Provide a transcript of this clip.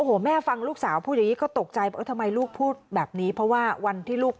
อะไรอย่างงี้ก็จะพูดอย่างนี่